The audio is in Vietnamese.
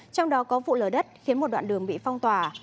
trong đó có vụ lở đất khiến một đoạn đường bị phong tỏa